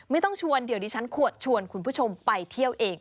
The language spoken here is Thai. ไม่ต้องชวนเดี๋ยวดิฉันชวนคุณผู้ชมไปเที่ยวเอง